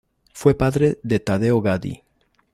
Fue padre de Taddeo Gaddi.